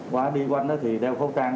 qua đi quanh đó thì đeo khẩu trang